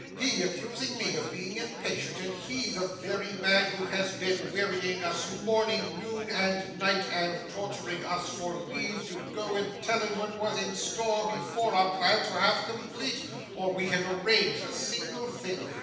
He accusing me of being impatient, and he the very man who has been wearying us morning, noon, and night, and torturing us for leave to go and tell 'em what was in store, before our plans were half complete, or we had arranged a single thing.